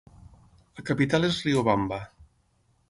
La capital és Riobamba.